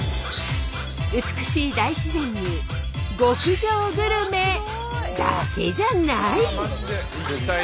美しい大自然に極上グルメだけじゃない！